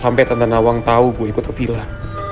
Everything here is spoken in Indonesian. sampai tante nawang tahu gue ikut ke villa